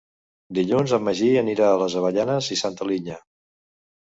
Dilluns en Magí anirà a les Avellanes i Santa Linya.